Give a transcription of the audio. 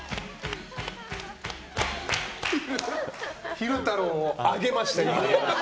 昼太郎を上げました。